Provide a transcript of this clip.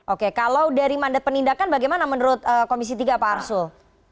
oke kalau dari mandat penindakan bagaimana menurut komisi tiga pak arsul